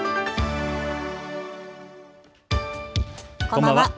こんばんは。